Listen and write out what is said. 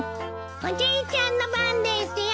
おじいちゃんの番ですよ。